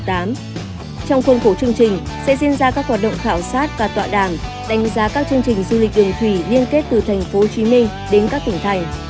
trong khuôn khổ chương trình sẽ diễn ra các hoạt động khảo sát và tọa đàm đánh giá các chương trình du lịch đường thủy liên kết từ tp hcm đến các tỉnh thành